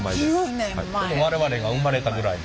我々が生まれたぐらいの。